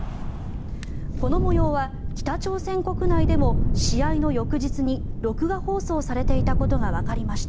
この模様は北朝鮮国内でも試合の翌日に録画放送されていたことがわかりました。